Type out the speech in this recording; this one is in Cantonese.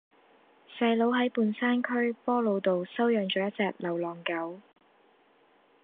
細佬喺半山區波老道收養左一隻流浪狗